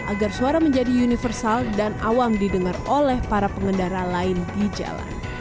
agar suara menjadi universal dan awam didengar oleh para pengendara lain di jalan